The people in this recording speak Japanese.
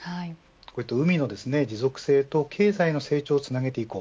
海の持続性と経済の成長をつなげて行こう。